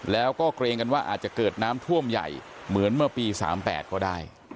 แล้วก็เกรงกันว่าอาจจะเกิดน้ำท่วมใหญ่เหมือนเมื่อปี๓๘ก็ได้